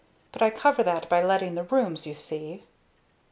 But I cover that by letting the rooms, you see."